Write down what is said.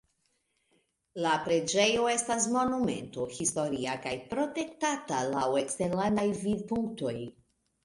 La preĝejo estas Monumento historia kaj protektata laŭ eksterlandaj vidpunktoj.